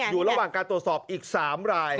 อยู่ระหว่างการตรวจสอบอีก๓ราย